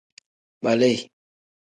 Kpali.